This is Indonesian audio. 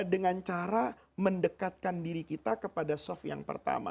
dengan cara mendekatkan diri kita kepada soft yang pertama